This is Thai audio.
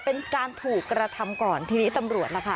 เป็นการถูกกระทำก่อนทีนี้ตำรวจล่ะค่ะ